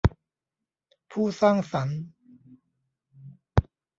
ผู้สร้างสรรค์